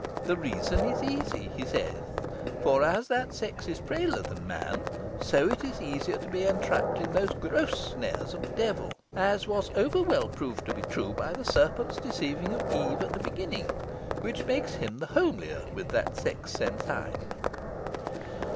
'The reason is easy,' he saith; 'for as that sex is frailer than man is, so it is easier to be entrapped in those gross snares of the devil, as was overwell proved to be true, by the serpent's deceiving of Eva at the beginning, which makes him the homelier with that sex sensine.'"